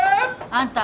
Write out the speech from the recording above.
あんた